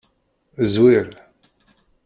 Zwir.